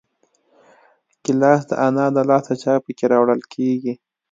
ګیلاس د انا له لاسه چای پکې راوړل کېږي.